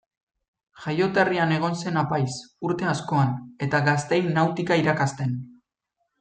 Jaioterrian egon zen apaiz, urte askoan, eta gazteei nautika irakasten.